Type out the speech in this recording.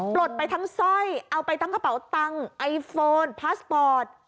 ปลดไปทั้งสร้อยเอาไปทั้งกระเป๋าตังค์ไอโฟนพาสปอร์ต